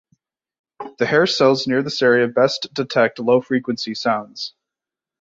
The hair cells near this area best detect low frequency sounds.